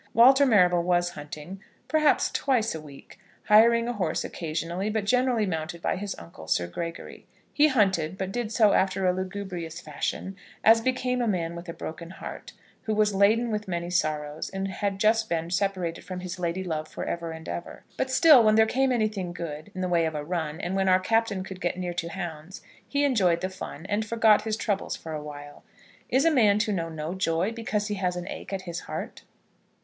Walter Marrable was hunting, perhaps twice a week, hiring a horse occasionally, but generally mounted by his uncle, Sir Gregory. He hunted; but did so after a lugubrious fashion, as became a man with a broken heart, who was laden with many sorrows, and had just been separated from his lady love for ever and ever. But still, when there came anything good, in the way of a run, and when our Captain could get near to hounds, he enjoyed the fun, and forgot his troubles for a while. Is a man to know no joy because he has an ache at his heart?